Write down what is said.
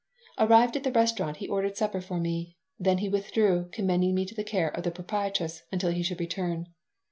Arrived at the restaurant, he ordered supper for me. Then he withdrew, commending me to the care of the proprietress until he should return.